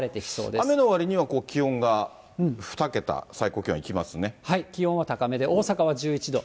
雨のわりには気温が２桁、気温は高めで、大阪は１１度。